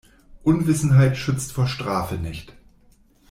Unwissenheit schützt vor Strafe nicht.